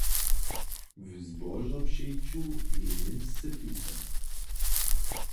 W zbožopřeću jej němsce pisa.